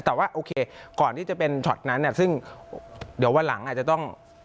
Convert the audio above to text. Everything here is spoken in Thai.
แต่ว่าโอเคก่อนที่จะเป็นช็อตนั้นเนี่ยซึ่งเดี๋ยววันหลังอาจจะต้อง